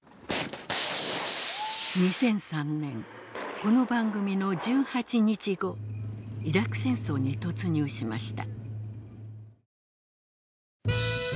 ２００３年この番組の１８日後イラク戦争に突入しました。